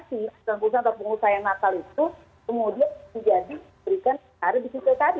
pusat pusat atau pengusaha yang nakal itu kemudian menjadi berikan sehari di situ tadi